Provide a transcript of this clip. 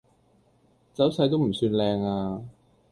走勢都唔算靚呀